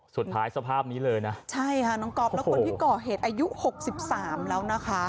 สภาพนี้เลยนะใช่ค่ะน้องก๊อฟแล้วคนที่ก่อเหตุอายุหกสิบสามแล้วนะคะ